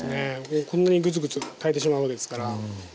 もうこんなにグツグツ炊いてしまうのですから。